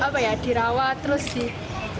lebih dirawat terus dibersihkan terus